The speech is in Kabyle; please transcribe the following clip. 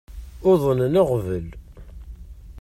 Uḍnen aɣbel.